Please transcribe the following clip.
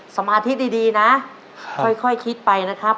สมาธิดีนะค่อยคิดไปนะครับ